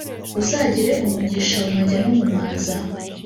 Uzagira umugisha mu majya no mu maza